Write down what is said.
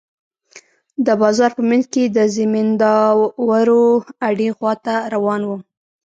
د بازار په منځ کښې د زمينداورو اډې خوا ته روان وم.